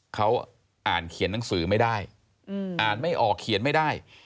เขาอ่านเขียนหนังสือไม่ได้อ่านไม่ออกเขียนไม่ได้